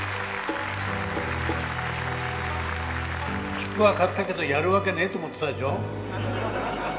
切符は買ったけどやるわけねえと思ってたでしょう？